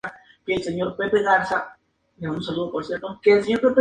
El juego es un juego de aventura de plataformas de desplazamiento lateral.